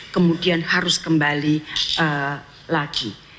kemudian harus kembali lagi